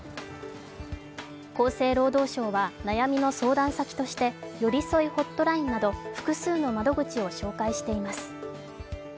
厚生労働省は、悩みの相談先としてよりそいホットラインなど複数の窓口を紹介しています。